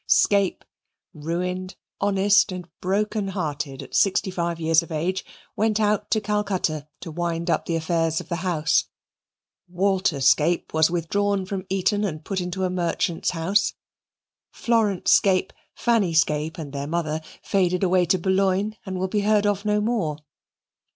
Scape, ruined, honest, and broken hearted at sixty five years of age, went out to Calcutta to wind up the affairs of the house. Walter Scape was withdrawn from Eton and put into a merchant's house. Florence Scape, Fanny Scape, and their mother faded away to Boulogne, and will be heard of no more.